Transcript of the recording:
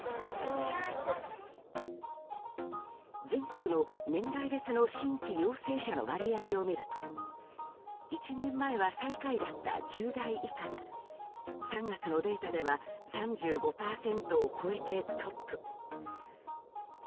全国の年代別の新規陽性者の割合を見ると１年前は最下位だった１０代以下が３月のデータでは３５％を超えてトップ。